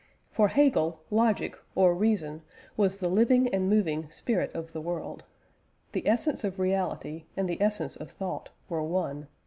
For Hegel, logic or reason was the living and moving spirit of the world. The essence of reality and the essence of thought were one.